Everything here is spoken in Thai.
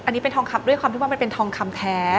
อันนี้เป็นทองคำด้วยความที่ว่ามันเป็นทองคำแท้